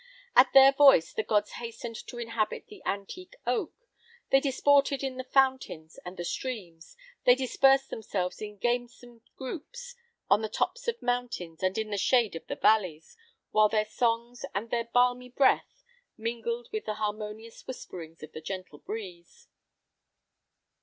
At their voice, the gods hastened to inhabit the antique oak; they disported in the fountains and the streams; they dispersed themselves in gamesome groups on the tops of the mountains and in the shade of the valleys, while their songs and their balmy breath mingled with the harmonious whisperings of the gentle breeze."